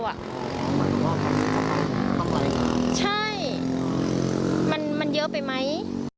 หมายถึงว่าเขาทำอะไรใช่มันเยอะไปไหม